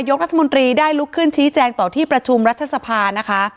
รัฐมนตรีได้ลุกขึ้นชี้แจงต่อที่ประชุมรัฐสภานะคะ